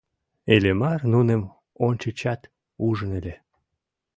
Иллимар нуным ончычат ужын ыле.